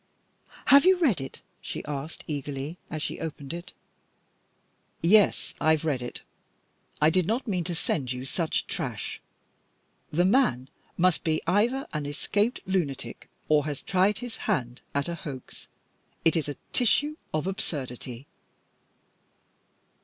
"Have you read it?" she asked, eagerly, as she opened it. "Yes, I've read it. I did not mean to send you such trash. The man must be either an escaped lunatic or has tried his hand at a hoax. It is a tissue of absurdity."